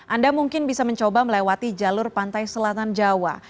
anda mungkin bisa mencoba melewati jalur pantai selatan jawa